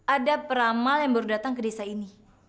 ada peramal yang baru datang ke desa ini